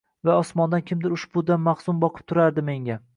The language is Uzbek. Va osmondan kimdir ushbu dam mahzun boqib turardi menga…